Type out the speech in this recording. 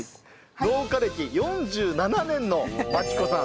農家歴４７年の万紀子さん。